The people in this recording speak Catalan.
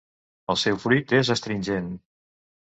El seu fruit és astringent.